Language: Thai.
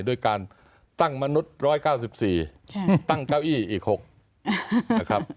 ด้วยการตั้งมนุษย์๑๙๔ตั้งเก้าอี้อีก๖นะครับ